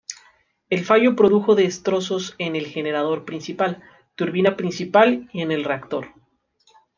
El fallo produjo destrozos en el generador principal, turbina principal y en el reactor.